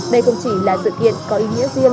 đây không chỉ là sự kiện có ý nghĩa riêng